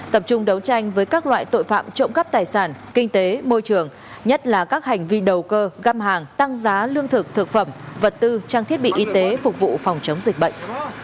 tập trung đấu tranh với các loại tội phạm trộm cắp tài sản kinh tế môi trường nhất là các hành vi đầu cơ găm hàng tăng giá lương thực thực phẩm vật tư trang thiết bị y tế phục vụ phòng chống dịch bệnh